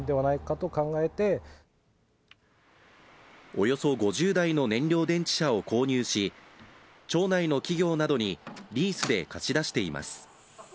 およそ５０台の燃料電池車を購入し町内の企業などにリースで貸し出しています。